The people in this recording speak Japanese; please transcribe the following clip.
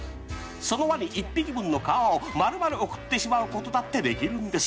そのワニ１匹分の皮を丸々贈ってしまうことだってできるんです。